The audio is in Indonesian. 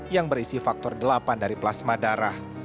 yang berisi faktor delapan dari plasma darah